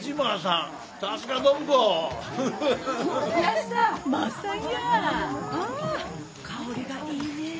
ん香りがいいねぇ。